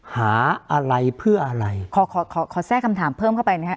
หาอะไรเพื่ออะไรขอขอขอแทรกคำถามเพิ่มเข้าไปนะฮะ